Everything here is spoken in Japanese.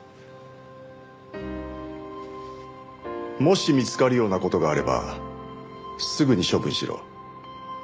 もし見つかるような事があればすぐに処分しろ。